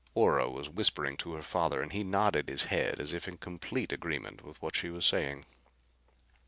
Ora was whispering to her father and he nodded his head as if in complete agreement with what she was saying.